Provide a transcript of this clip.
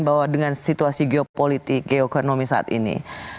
bahwa dengan situasi geopolitik geokonomi saat ini